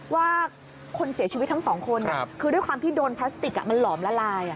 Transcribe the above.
ว่าคนเสียชีวิตทั้งสองคนคือด้วยความที่โดนพลาสติกมันหลอมละลาย